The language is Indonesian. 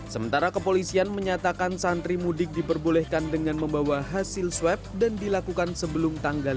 sementara kepolisian menyatakan santri mudik diperbolehkan dengan membawa hasil swab dan dilakukan sebelum tanggal